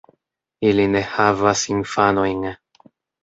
Ili ne havas infanojn.